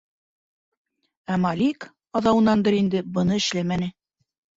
Ә Малик, аҙауынандыр инде, быны эшләмәне.